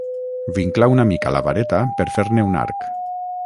Vinclà una mica la vareta per fer-ne un arc.